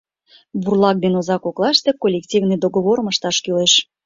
— Бурлак ден оза коклаште коллективный договорым ышташ кӱлеш.